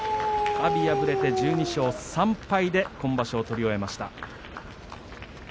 阿炎は敗れて１２勝３敗で今場所、取り終えました。